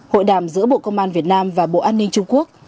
hội đàm giữa bộ công an việt nam và bộ an ninh trung quốc